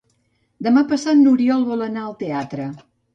Demà passat n'Oriol vol anar al teatre.